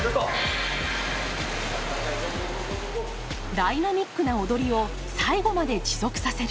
「ダイナミックな踊りを最後まで持続させる」。